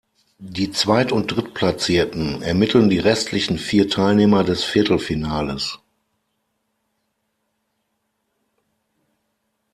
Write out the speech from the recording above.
Die Zweit- und Drittplatzierten ermitteln die restlichen vier Teilnehmer des Viertelfinales.